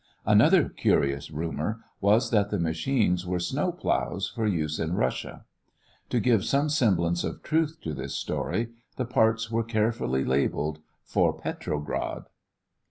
Another curious rumor was that the machines were snow plows for use in Russia. To give some semblance of truth to this story, the parts were carefully labeled, "For Petrograd."